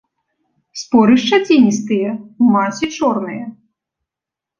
Споры шчаціністыя, у масе чорныя.